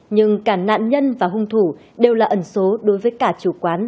nhưng cả nạn nhân và hung thủ đều là ẩn số đối với cả chủ quán